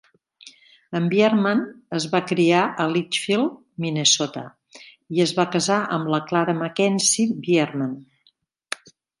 En Bierman es va criar a Litchfield, Minnesota, i es va casar amb la Clara McKenzie Bierman.